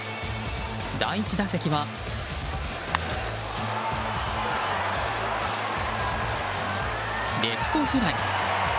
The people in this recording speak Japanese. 第１打席は、レフトフライ。